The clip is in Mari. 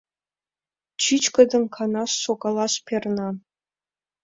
Чӱчкыдын канаш шогалаш перна.